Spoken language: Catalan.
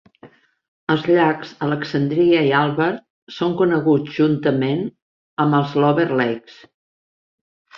Els llacs Alexandria i Albert són coneguts juntament amb els Lower Lakes.